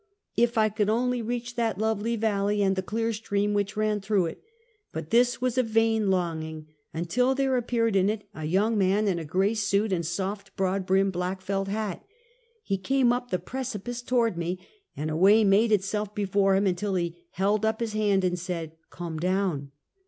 If I could only reach that lovely valley and the clear stream which ran through it ; but this was a vain longing, un til there appeared in it a young man in a grey suit and soft broad brimmed black felt hat. He came up the precipice toward me, and a way made itself before him, until he held up his hand, and said: "Come down!"